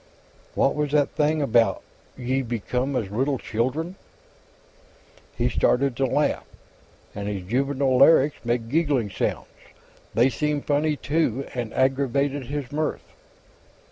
What was that thing, about "ye become as little children"? He started to laugh, and his juvenile larynx made giggling sounds. They seemed funny, too, and aggravated his mirth.